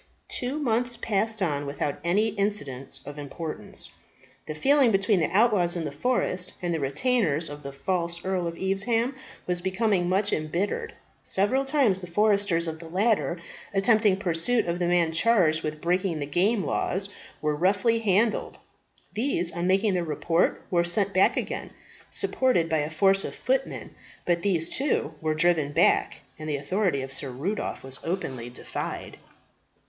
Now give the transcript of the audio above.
Two months passed on without any incident of importance. The feeling between the outlaws in the forest and the retainers of the false Earl of Evesham was becoming much embittered. Several times the foresters of the latter, attempting pursuit of men charged with breaking the game laws, were roughly handled. These on making their report were sent back again, supported by a force of footmen; but these, too, were driven back, and the authority of Sir Rudolph was openly defied.